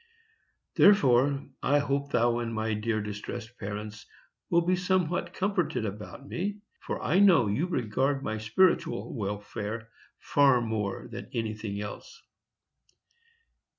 Therefore I hope thou and my dear distressed parents will be somewhat comforted about me, for I know you regard my spiritual welfare far more than anything else.